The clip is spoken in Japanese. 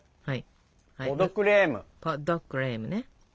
はい。